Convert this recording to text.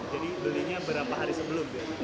belinya berapa hari sebelum